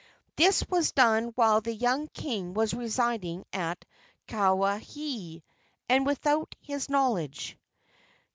This was done while the young king was residing at Kawaihae, and without his knowledge.